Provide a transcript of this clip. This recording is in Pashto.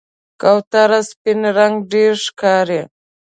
کوتره سپین رنګ ډېره ښکاري.